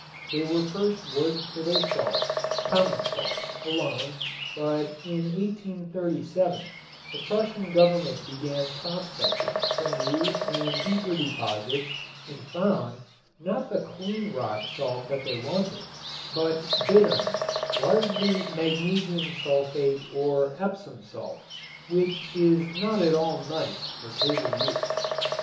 They were first worked for their salt, common salt, alone, but in 1837 the Prussian Government began prospecting for new and deeper deposits and found, not the clean rock salt that they wanted, but bittern, largely magnesium sulfate or Epsom salt, which is not at all nice for table use.